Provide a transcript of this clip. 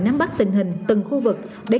nắm bắt tình hình từng khu vực để